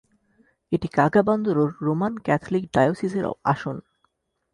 এটি কাগা-বান্দোরোর Roman Catholic ডায়োসিসের আসন।